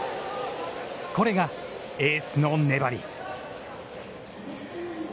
これがエースの粘り。